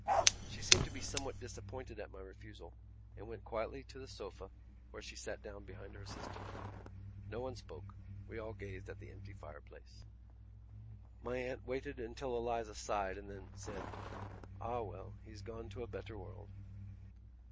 She seemed to be somewhat disappointed at my refusal and went over quietly to the sofa where she sat down behind her sister. No one spoke: we all gazed at the empty fireplace. My aunt waited until Eliza sighed and then said: "Ah, well, he's gone to a better world."